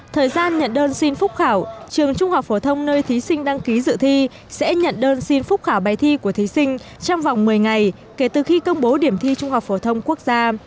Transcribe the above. thời gian nhận đơn xin phúc khảo trường trung học phổ thông nơi thí sinh đăng ký dự thi sẽ nhận đơn xin phúc khảo bài thi của thí sinh trong vòng một mươi ngày kể từ khi công bố điểm thi trung học phổ thông quốc gia